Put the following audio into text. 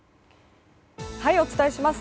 お伝えします。